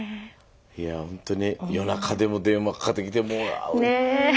いやほんとに夜中でも電話かかってきてもう。ねぇ。